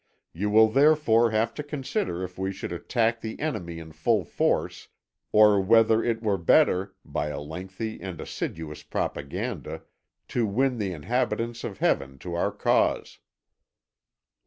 You will therefore have to consider if we should attack the enemy in full force, or whether it were better, by a lengthy and assiduous propaganda, to win the inhabitants of Heaven to our cause."